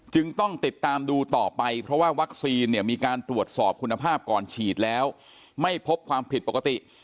ต้องติดตามดูต่อไปเพราะว่าวัคซีนเนี่ยมีการตรวจสอบคุณภาพก่อนฉีดแล้วไม่พบความผิดปกติ